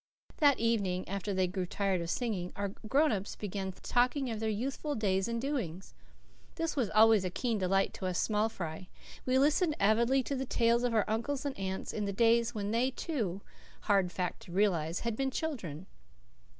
That evening, after they tired of singing, our grown ups began talking of their youthful days and doings. This was always a keen delight to us small fry. We listened avidly to the tales of our uncles and aunts in the days when they, too hard fact to realize had been children.